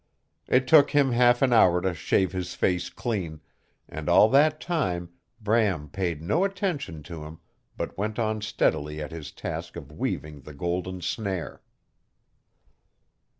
It took him half an hour to shave his face clean, and all that time Bram paid no attention to him but went on steadily at his task of weaving the golden snare.